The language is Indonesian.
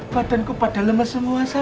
padanku pada lemas semua sam